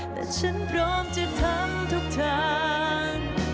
แต่ฉันพร้อมจะทำทุกทาง